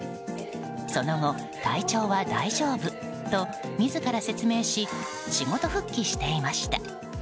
その後、体調は大丈夫と自ら説明し仕事復帰していました。